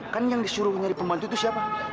kan yang disuruh nyari pembantu itu siapa